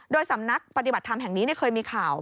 โดยสำนักปฏิบัติธรรมแห่งนี้เคยมีข่าว